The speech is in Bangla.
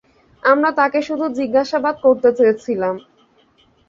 আমরা তাকে শুধু জিজ্ঞাবাদ করতে চেয়েছিলাম।